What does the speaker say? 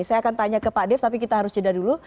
saya akan tanya ke pak dev tapi kita harus jeda dulu